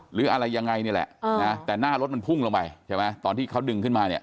หรืออะไรยังไงนี่แหละนะแต่หน้ารถมันพุ่งลงไปใช่ไหมตอนที่เขาดึงขึ้นมาเนี่ย